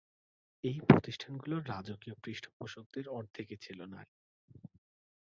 এই প্রতিষ্ঠানগুলোর রাজকীয় পৃষ্ঠপোষকদের অর্ধেকই ছিল নারী।